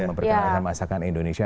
memperkenalkan masakan indonesia